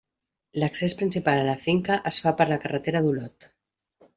L'accés principal a la finca es fa per la carretera d'Olot.